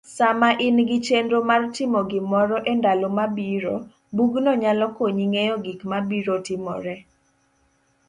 sama inigi chenro martimo gimoro endalo mabiro, bugno nyalo konyi ng'eyo gikmabiro timore .